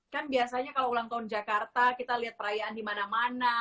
kan biasanya kalau ulang tahun jakarta kita lihat perayaan di mana mana